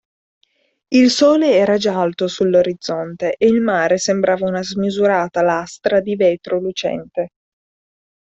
Il sole era già alto sull'orizzonte e il mare sembrava una smisurata lastra di vetro lucente.